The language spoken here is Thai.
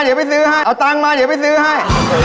เอาเงินมาเดี๋ยวไปซื้อให้